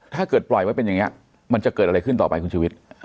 ปล่อยไว้เป็นอย่างนี้มันจะเกิดอะไรขึ้นต่อไปคุณชุวิต